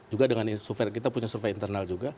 juga dengan kita punya survei internal juga